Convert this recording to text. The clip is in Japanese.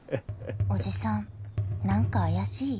おじさん何か怪しい？